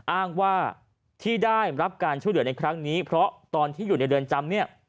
อ้างว่าที่ได้รับการช่วยเหลือในครั้งนี้เพราะตอนที่อยู่ในเรือนจำเนี่ย